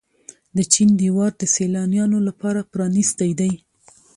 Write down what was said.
د چین دیوار د سیلانیانو لپاره پرانیستی دی.